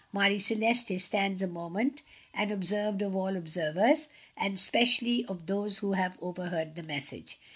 Marie Celeste stands a moment, the observed of all observers, and especially of those who have overheard the message.